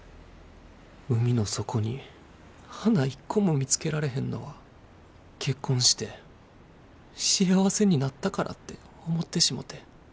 海の底に花一個も見つけられへんのは結婚して幸せになったからって思ってしもて。